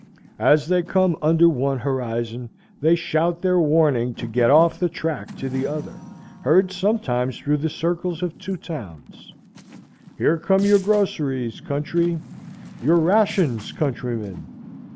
As they come under one horizon, they shout their warning to get off the track to the other, heard sometimes through the circles of two towns. Here come your groceries, country; your rations, countrymen!